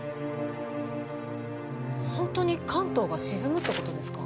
ホントに関東が沈むってことですか？